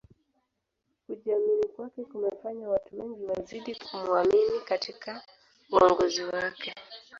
kujiamini kwake kumefanya watu wengi wazidi kumuamini katika uongozi wake